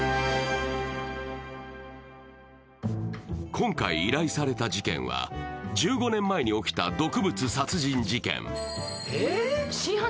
今回、依頼された事件は１５年前に起きた毒物殺人事件。